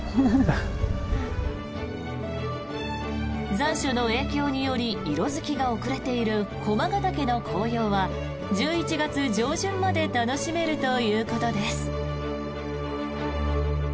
残暑の影響により色付きが遅れている駒ヶ岳の紅葉は１１月上旬まで楽しめるということです。